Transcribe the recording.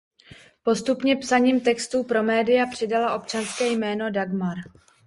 Postupně psaním textů pro média přidala občanské jméno Dagmar.